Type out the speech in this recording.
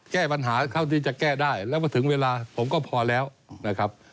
แก้ปัญหาเท่าที่จะแก้ได้แล้วมาถึงเวลาผมก็พอแล้วนะครับ